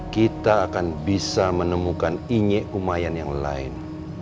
kita akan bisa menemukan inyek umayan yang lain